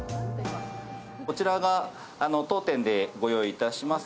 こちらが当店でご用意いたします